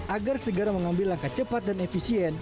agar segera mengambil langkah cepat dan efisien